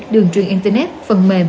đường truyền internet phần mềm